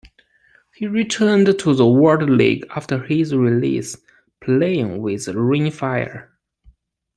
He returned to the World League after his release, playing with Rhein Fire.